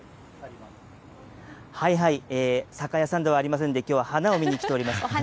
はいはい、酒屋さんではありませんで、きょうは花を見に来ております。